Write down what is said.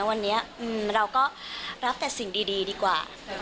วันนี้เราก็รับแต่สิ่งดีดีกว่า